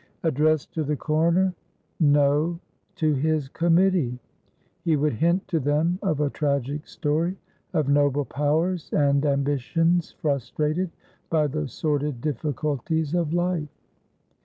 Addressed to the coroner? No; to his committee. He would hint to them of a tragic story, of noble powers and ambitions frustrated by the sordid difficulties of life.